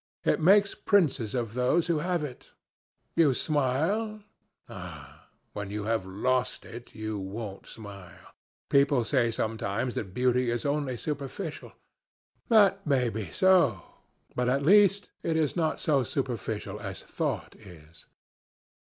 It makes princes of those who have it. You smile? Ah! when you have lost it you won't smile.... People say sometimes that beauty is only superficial. That may be so, but at least it is not so superficial as thought is.